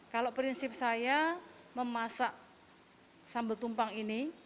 kalau prinsip saya memasak sambal tumpang ini